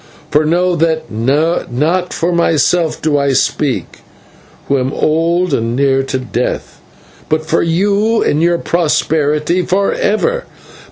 For know that not for myself do I speak, who am old and near to death, but for you and your posterity for ever.